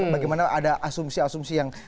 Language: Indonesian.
bagaimana ada asumsi asumsi yang